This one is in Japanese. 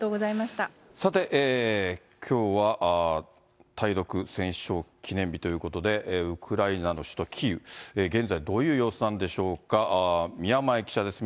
さて、きょうは対独戦勝記念日ということで、ウクライナの首都キーウ、現在どういう様子なんでしょうか、宮前記者です。